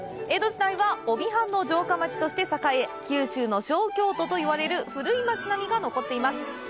江戸時代は飫肥藩の城下町として栄え九州の小京都と言われる古い町並みが残っています。